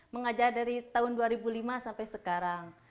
mengajar dari tahun dua ribu lima sampai sekarang